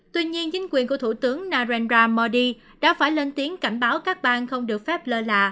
tuy nhiên chính quyền của thủ tướng narendra modi đã phải lên tiếng cảnh báo các bang không được phép lơ lạ